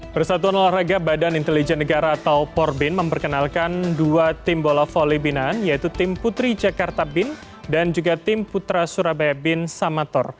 persatuan olahraga badan intelijen negara atau porbin memperkenalkan dua tim bola voli binaan yaitu tim putri jakarta bin dan juga tim putra surabaya bin samator